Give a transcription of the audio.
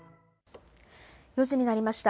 ４時になりました。